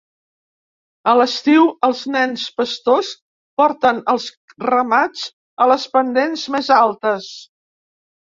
A l'estiu els nens pastors porten els ramats a les pendents més altes.